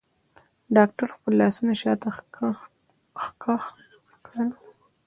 ډاکتر خپل لاسونه شاته کښ کړل.